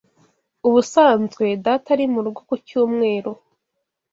Ubusanzwe data ari murugo ku cyumweru.